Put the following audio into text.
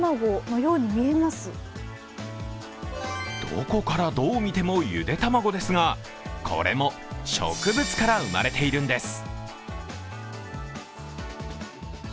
どこからどう見てもゆで卵ですがこれも植物から生まれているんです。